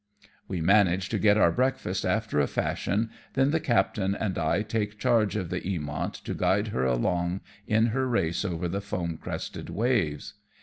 We manage to get our breakfast after a fashion, then the captain and I take charge of the Eamont to guide her along in her race over the foam crested waves.